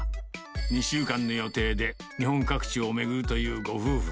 ２週間の予定で日本各地を巡るというご夫婦。